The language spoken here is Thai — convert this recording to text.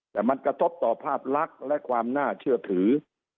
แต่มันกระทบต่อภาพลักษณ์และความน่าเชื่อถือ